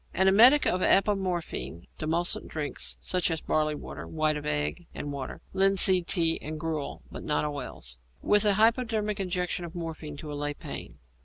_ An emetic of apomorphine; demulcent drinks, such as barley water, white of egg and water, linseed tea and gruel (but not oils), with a hypodermic injection of morphine to allay pain.